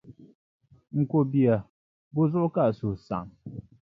N ko bia, bɔ zuɣu ka a suhu saɣim?